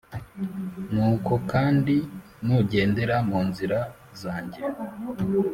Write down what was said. Nuko kandi nugendera mu nzira zanjye